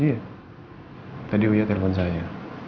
iya tadi wia telepon saya